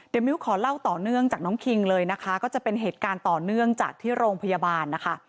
เดี๋ยวมิ้วขอเล่าต่อเนื่องจากน้องคิงเลยนะคะก็จะเป็นเหตุการณ์ต่อเนื่องจากที่โรงพยาบาลนะคะ